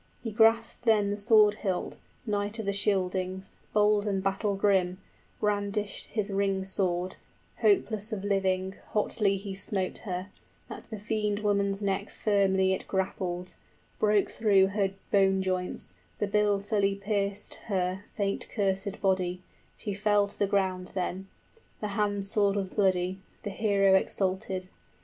He grasped then the sword hilt, knight of the Scyldings, Bold and battle grim, brandished his ring sword, Hopeless of living, hotly he smote her, 10 That the fiend woman's neck firmly it grappled, {and fells the female monster.} Broke through her bone joints, the bill fully pierced her Fate cursèd body, she fell to the ground then: The hand sword was bloody, the hero exulted.